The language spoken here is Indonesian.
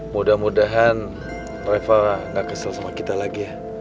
mudah mudahan reva gak kesel sama kita lagi ya